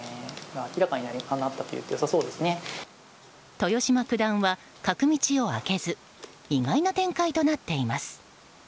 豊島九段は角道を空けず意外な展開となっています。